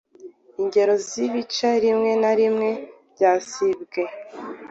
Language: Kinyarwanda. Ingero zIbice rimwe na rimwe byasibwe